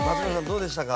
どうでしたか？